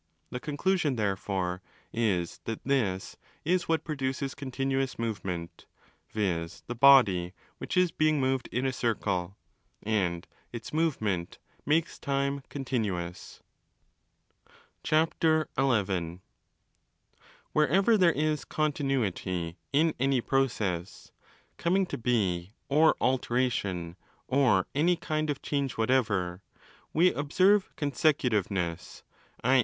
The conclusion therefore is that z¢kzs is what produces continuous movement, viz. the body which is being moved in a circle; and its movement makes time continuous. Wherever there is continuity in any process (coming to II 35 be or 'alteration' or any kind of change whatever) we 337° observe ' consecutiveness', i.